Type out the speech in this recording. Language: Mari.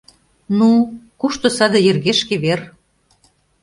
Ну, кушто саде йыргешке вер?